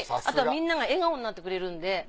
あとみんなが笑顔になってくれるんで。